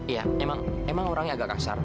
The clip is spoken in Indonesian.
iya emang orangnya agak kasar